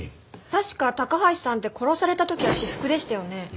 確か高橋さんって殺された時は私服でしたよね。